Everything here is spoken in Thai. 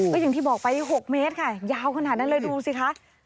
ก็อย่างที่บอกไป๖เมตรค่ะยาวขนาดนั้นเลยดูสิคะ